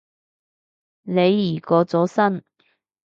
李怡過咗身